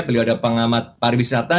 beliau adalah pengamat pariwisata